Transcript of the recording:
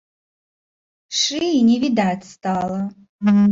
Шыі не відаць стала.